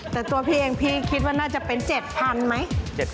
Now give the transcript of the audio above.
แต่ตัวพี่เองพี่คิดว่าน่าจะเป็น๗๐๐ไหม